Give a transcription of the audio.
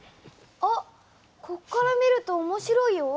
あっこっから見ると面白いよ。